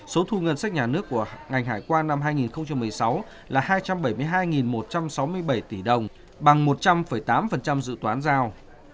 số thu ngân sách nhà nước của ngành hải quan năm hai nghìn một mươi sáu là hai trăm bảy mươi hai một trăm sáu mươi bảy tỷ đồng bằng một trăm linh tám dự toán giao